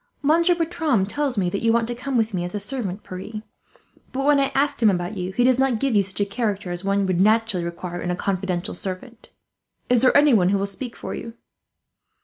"Monsieur Bertram tells me you want to come with me as a servant, Pierre; but when I asked him about you, he does not give you such a character as one would naturally require in a confidential servant. Is there anyone who will speak for you?"